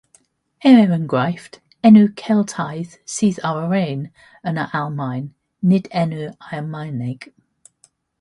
Er enghraifft, enw Celtaidd sydd ar y Rhein yn yr Almaen, nid enw Almaeneg.